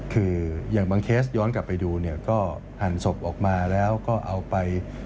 คืออย่างบางเคสย้อนกลับไปดูเนี่ยก็หั่นศพออกมาแล้วก็เอาไป